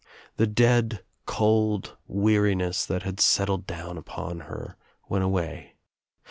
The dead cold weariness that had settled down upon her went away.